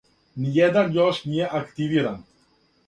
Ниједан још није активиран.